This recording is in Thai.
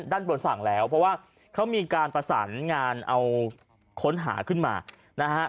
ด้านบนฝั่งแล้วเพราะว่าเขามีการประสานงานเอาค้นหาขึ้นมานะฮะ